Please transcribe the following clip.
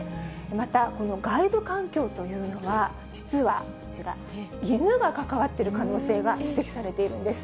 また、この外部環境というのは、実はこちら、犬が関わっている可能性が指摘されているんです。